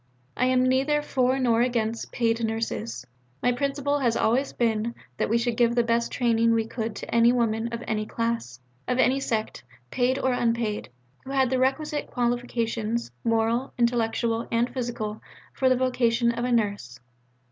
I am neither for nor against 'Paid Nurses.' My principle has always been: that we should give the best training we could to any woman of any class, of any sect, paid or unpaid, who had the requisite qualifications, moral, intellectual, and physical, for the vocation of a Nurse.